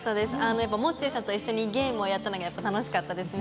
やっぱモッチーさんと一緒にゲームをやったのが楽しかったですね。